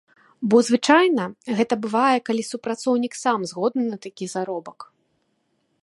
Бо звычайна, гэта бывае, калі супрацоўнік сам згодны на такі заробак.